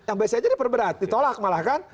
yang bc aja diperberat ditolak malah kan